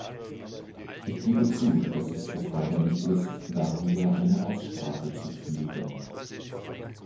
Ich gebe zu, dass es erforderlich ist, darüber eine Aussprache zu führen.